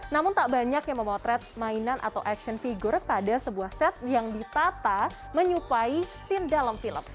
namun tak banyak yang memotret mainan atau action figure pada sebuah set yang ditata menyupai scene dalam film